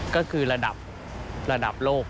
ก็คือระดับระดับโลก